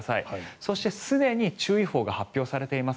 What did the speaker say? そして、すでに注意報が発表されています。